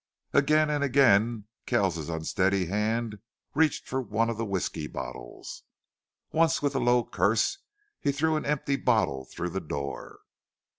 Again and again Kells's unsteady hand reached for one of the whisky bottles. Once with a low curse he threw an empty bottle through the door.